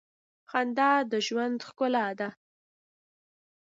خندا د ژوند ښکلا ده.